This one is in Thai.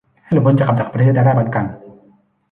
ให้หลุดพ้นจากกับดักประเทศรายได้ปานกลาง